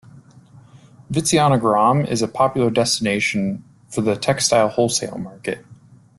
Vizianagaram is a popular destination for the textile wholesale market.